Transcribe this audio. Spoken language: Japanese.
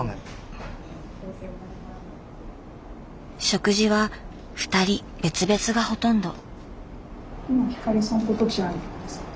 食事はふたり別々がほとんど。